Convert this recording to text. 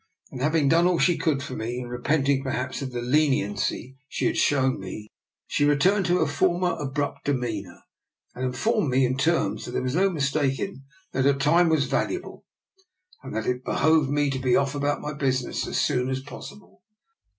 Then, having done all she could for me, and repenting, perhaps, of the leniency she had shown me, she returned to her former abrupt demeanour, and informed me, in terms there was no mistaking, that her time was valuable, and that it behoved me to be off about my business as soon as possible.